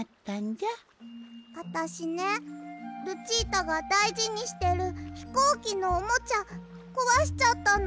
あたしねルチータがだいじにしてるひこうきのおもちゃこわしちゃったの。